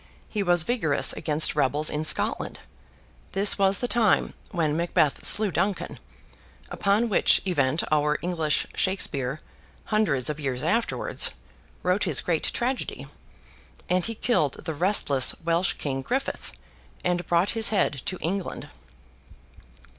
He was vigorous against rebels in Scotland—this was the time when Macbeth slew Duncan, upon which event our English Shakespeare, hundreds of years afterwards, wrote his great tragedy; and he killed the restless Welsh King Griffith, and brought his head to England.